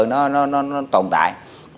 nó tồn tại